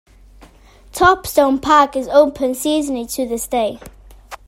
Topstone Park is open seasonally to this day.